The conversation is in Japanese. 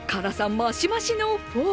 マシマシのフォー。